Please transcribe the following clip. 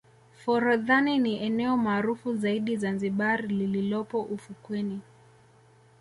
forodhani ni eneo maarufu zaidi zanzibar lililopo ufukweni